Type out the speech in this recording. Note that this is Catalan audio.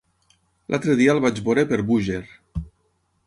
L'altre dia el vaig veure per Búger.